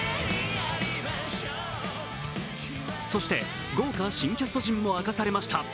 そして豪華新キャスト陣も明かされました。